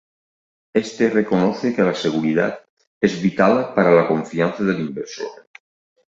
Éste reconoce que la seguridad es vital para la confianza del inversor.